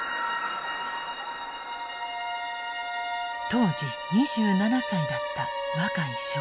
当時２７歳だった若井少尉。